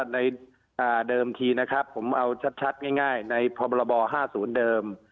ในเดิมทีนะครับผมเอาชัดง่ายในพรบ๕๐เดิม